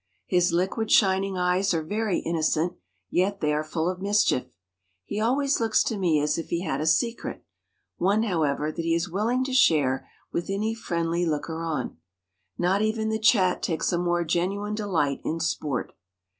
His liquid, shining eyes are very innocent, yet they are full of mischief. He always looks to me as if he had a secret one, however, that he is willing to share with any friendly looker on. Not even the chat takes a more genuine delight in sport.